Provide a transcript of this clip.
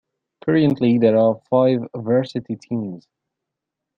Currently there are five varsity teams.